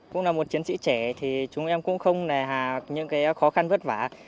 cũng là một chiến sĩ trẻ thì chúng em cũng không nề hà những khó khăn vất vả